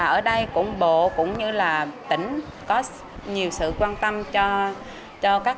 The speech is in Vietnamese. ở đây bộ cũng như tỉnh có nhiều sự quan tâm cho các cao